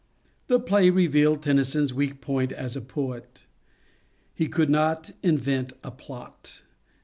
The play revealed Tennyson's weak point as a poet. He could not invent a plot.